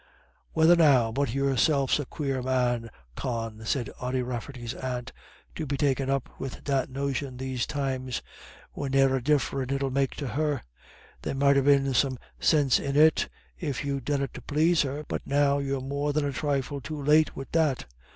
"Whethen now but yourself's the quare man, Con," said Ody Rafferty's aunt, "to be takin' up wid that notion these times, when ne'er a differ it'ill make to her. There might ha' been some sinse in it, if you'd done it to plase her, but now you're more than a trifle too late wid that.